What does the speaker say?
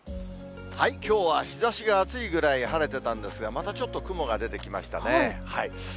きょうは日ざしが暑いぐらい晴れてたんですが、またちょっと雲が出てきましたね。